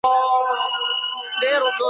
参与民风乐府访美演唱会。